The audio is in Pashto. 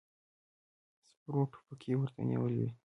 سپرو ټوپکې ورته نيولې وې.